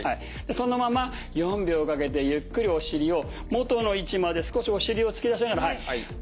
そのまま４秒かけてゆっくりお尻を元の位置まで少しお尻を突き出しながら。